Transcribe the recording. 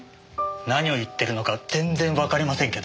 何を言ってるのか全然わかりませんけど。